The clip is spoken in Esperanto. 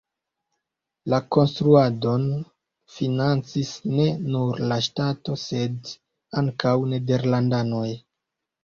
La konstruadon financis ne nur la ŝtato, sed ankaŭ nederlandanoj.